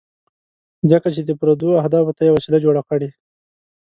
ځکه چې د پردو اهدافو ته یې وسیله جوړه کړې.